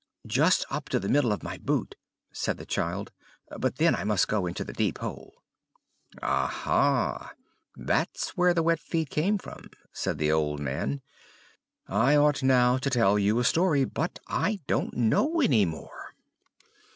"Just up to the middle of my boot," said the child; "but then I must go into the deep hole." "Ah, ah! That's where the wet feet came from," said the old man. "I ought now to tell you a story; but I don't know any more."